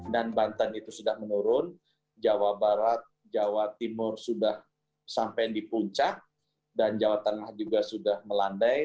dan jawa tengah juga sudah melandai